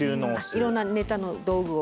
いろんなネタの道具を。